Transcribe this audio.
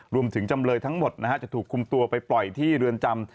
จำเลยทั้งหมดนะฮะจะถูกคุมตัวไปปล่อยที่เรือนจำ